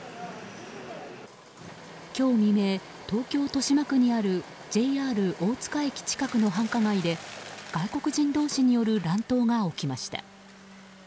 今日未明、東京・豊島区にあるＪＲ大塚駅近くの繁華街で外国人同士による乱闘が起きました。